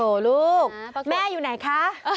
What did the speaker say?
โหลลูกแม่อยู่ไหนคะ